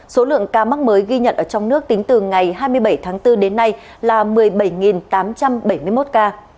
số lượng ca mắc mới ghi nhận ở trong nước tính từ ngày hai mươi bảy tháng bốn đến nay là một mươi bảy tám trăm bảy mươi một ca